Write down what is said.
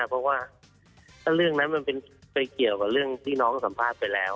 เพราะว่าเรื่องนั้นมันไปเกี่ยวกับเรื่องที่น้องสัมภาษณ์ไปแล้ว